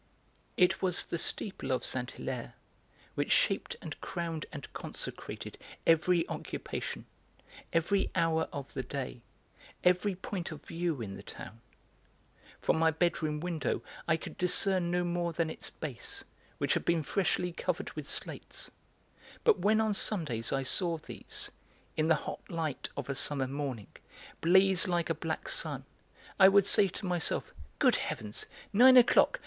It was the steeple of Saint Hilaire which shaped and crowned and consecrated every occupation, every hour of the day, every point of view in the town. From my bedroom window I could discern no more than its base, which had been freshly covered with slates; but when on Sundays I saw these, in the hot light of a summer morning, blaze like a black sun I would say to myself: "Good heavens! nine o'clock!